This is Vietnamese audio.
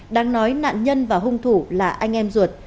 đang nói nạn nhân và hung thủ là anh em ruột